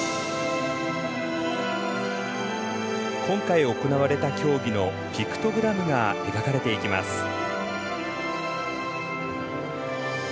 今回、行われた競技のピクトグラムが描かれていきます。